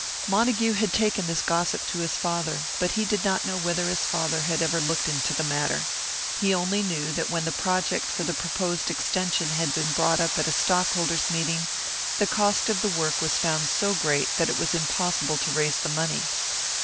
Montague had taken this gossip to his father, but he did not know whether his father had ever looked into the matter. He only knew that when the project for the proposed extension had been brought up at a stockholders' meeting, the cost of the work was found so great that it was impossible to raise the money.